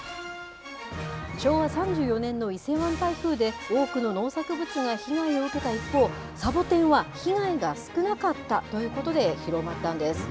昭和３４年の伊勢湾台風で多くの農作物が被害を受けた一方、サボテンは被害が少なかったということで、広まったんです。